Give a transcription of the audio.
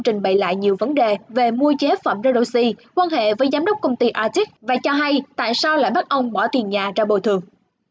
trình bày lại nhiều vấn đề về mua chế phẩm redoxi quan hệ với giám đốc công ty atic và cho hay tại sao lại bắt ông bỏ tiền nhà ra bồi thường